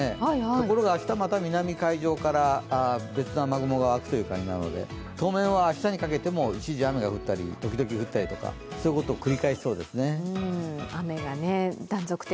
ところが、明日また南海上から別の雨雲が湧くという感じなので当面は明日にかけても一時、雨が降ったり時々降ったりということを繰り返しそうですね。